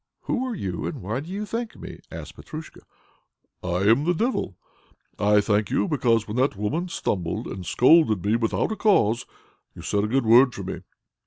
"Who are you, and why do you thank me?" asks Petrusha. "I am the Devil. I thank you because, when that woman stumbled, and scolded me without a cause, you said a good word for me."